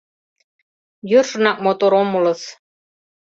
Йӧршынак мотор омылыс.